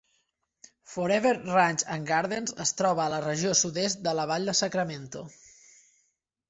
Forever Ranch and Gardens es troba a la regió sud-est de la vall de Sacramento.